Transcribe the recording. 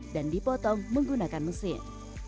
dan dipotong menggunakan mesin